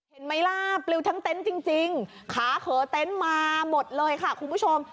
เห็นไหมล่ะปลิวทั้งเต็นต์จริงขาเขอเต็นต์มาหมดเลยค่ะคุณผู้ชม